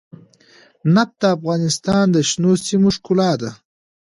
نفت د افغانستان د شنو سیمو ښکلا ده.